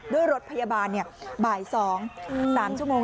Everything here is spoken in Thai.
ด้วยรถพยาบาลบ่าย๒๓ชั่วโมง